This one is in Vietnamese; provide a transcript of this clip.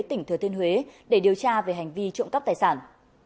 tỉnh thừa thiên huế để điều tra về hành vi trộm cắp tài sản